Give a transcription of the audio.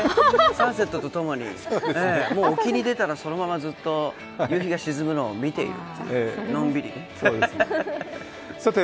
サンセットとともに、もう沖に出たらずっと夕日が沈むのをのんびり見ている。